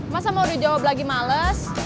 masa mau dijawab lagi males